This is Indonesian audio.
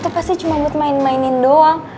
itu pasti cuma buat main mainin doang